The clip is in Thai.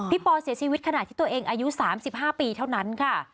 ปอเสียชีวิตขณะที่ตัวเองอายุ๓๕ปีเท่านั้นค่ะ